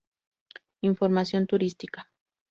Información turística